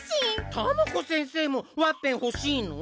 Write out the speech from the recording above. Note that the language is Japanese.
たまこ先生もワッペン欲しいの？